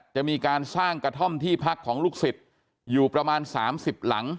จะมีการสร้างกระท่อมที่พักของลูกศิษย์อยู่ประมาณ๓๐หลัง